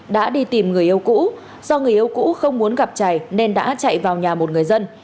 đã đi tìm người yêu cũ do người yêu cũ không muốn gặp chày nên đã chạy vào nhà một người dân